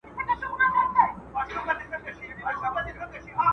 کله باید د طبیعت د پاللو له لاري خپل ذهن وپالو؟